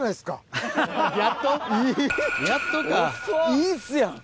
いいっすやん。